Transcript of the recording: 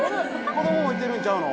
子供もいてるんちゃうの？